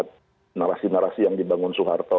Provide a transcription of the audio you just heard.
mas arya juga ingat narasi narasi yang dibangun soeharto